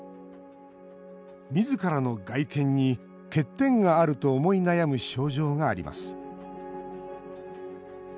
みずからの外見に欠点があると思い悩む症状があります。